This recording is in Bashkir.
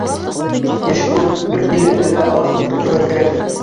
Эш күп — дүрт диләнкәгә ағас ултыртырға кәрәк.